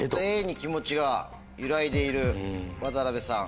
Ａに気持ちが揺らいでいる渡辺さん。